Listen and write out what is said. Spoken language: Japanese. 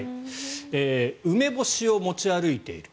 梅干しを持ち歩いている。